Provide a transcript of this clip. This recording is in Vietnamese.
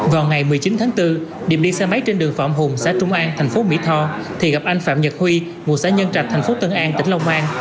vào ngày một mươi chín tháng bốn điểm đi xe máy trên đường phạm hùng xã trung an thành phố mỹ tho thì gặp anh phạm nhật huy ngụ xã nhân trạch thành phố tân an tỉnh long an